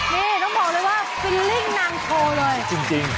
นี่ต้องบอกเลยว่าฟิลลิ่งนางโชว์เลยจริง